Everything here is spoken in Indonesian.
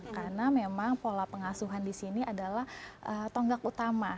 karena memang pola pengasuhan di sini adalah tonggak utama